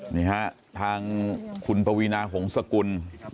นี่ฮะทางคุณปวีนาหงษกุล